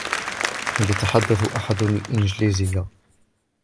هل يتحدث أحدٌ الإنجليزية ؟